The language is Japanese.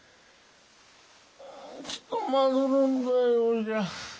ちとまどろんだようじゃ。